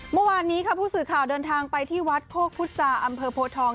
เมื่อวานนี้ค่ะผู้สื่อข่าวเดินทางไปที่วัดโคกพุษาอำเภอโพทอง